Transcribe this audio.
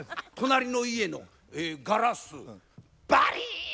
隣の家のガラスバリーン！